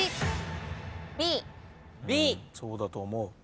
そうだと思う。